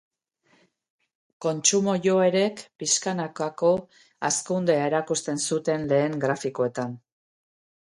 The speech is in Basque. Kontsumo joerek pixkanakako hazkundea erakusten zuten lehen grafikoetan.